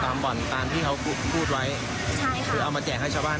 บ่อนตามที่เขาพูดไว้ใช่คือเอามาแจกให้ชาวบ้าน